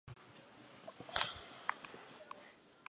显然无法短期完成运输红一方面军渡河任务。